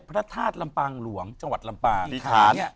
พระธาตุลำปางหลวงจังหวัดลำปางอธิฐาน